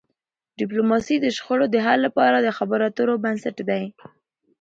ډيپلوماسي د شخړو د حل لپاره د خبرو اترو بنسټ دی.